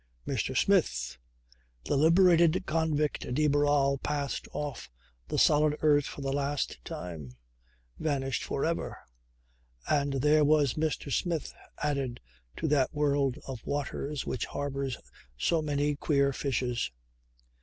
Mr. Smith! The liberated convict de Barral passed off the solid earth for the last time, vanished for ever, and there was Mr. Smith added to that world of waters which harbours so many queer fishes.